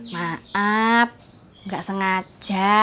maaf gak sengaja